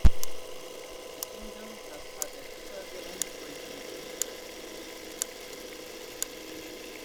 The kingdom has had a turbulent recent history.